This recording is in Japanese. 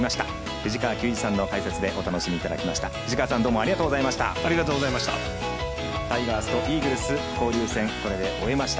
藤川球児さんの解説でお楽しみいただきました。